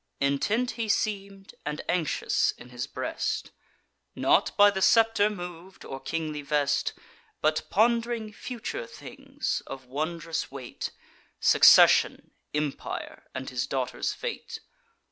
Intent he seem'd, and anxious in his breast; Not by the scepter mov'd, or kingly vest, But pond'ring future things of wondrous weight; Succession, empire, and his daughter's fate.